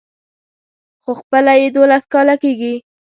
خو خپله يې دولس کاله کېږي.